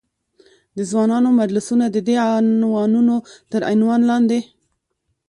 د ځوانانو مجلسونه، ددې عنوانونو تر عنوان لاندې.